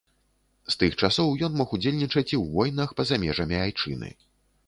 З тых часоў ён мог удзельнічаць і ў войнах па-за межамі айчыны.